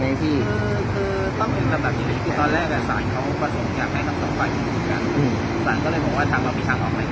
แต่ว่าว่าเพราะต่อสืบโจทย์เสร็จวันนี้